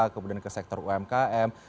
kemudian ke sektor umkm